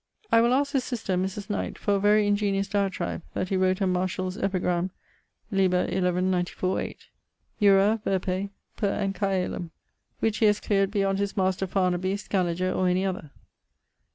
I will aske his sister (Mris Knight) for a very ingeniose diatribe that he wrote on Martialis epigram. lib. , jura, verpe, per Anchialum, which he haz cleared beyond his master Farnaby, Scaliger, or any other.